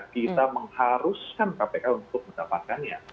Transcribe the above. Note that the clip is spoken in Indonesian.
kita mengharuskan kpk untuk mendapatkannya